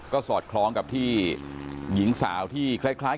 ก็สอดคล้องกับที่หญิงสาวที่คล้าย